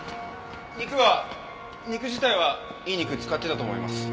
肉は肉自体はいい肉使ってたと思います。